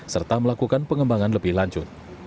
serta melakukan pengembangan lebih lanjut